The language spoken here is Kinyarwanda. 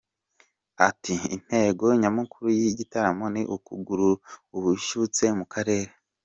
Ati "Intego nyamukuru y’igitaramo ni ukugarura ububyutse mu karere.